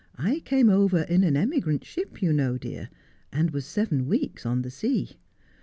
I came over in an emigrant ship, you know, dear, and was seven weeks on the sea.